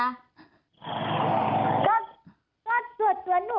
แต่พอตอนได้ยินข่าวนี้ก็ใจไม่ดีเหมือนกันใช่ไหมฮะ